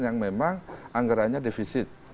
yang memang anggaranya defisit